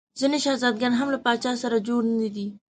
ځیني شهزاده ګان هم له پاچا سره جوړ نه دي.